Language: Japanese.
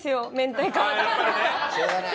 しょうがない。